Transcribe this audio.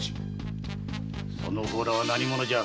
その方らは何者じゃ？